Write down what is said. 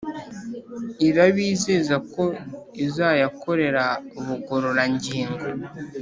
Irabizeza ko izayakorera ubugororangingo